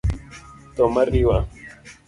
Tho mariwa;